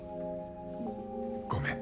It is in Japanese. ごめん。